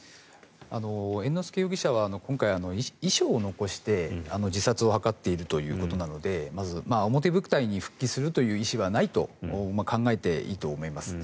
猿之助容疑者は今回、遺書を残して自殺を図っているということなので表舞台に復帰するという意思はないと考えていいと思います。